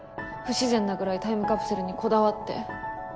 不自然なぐらいタイムカプセルにこだわって。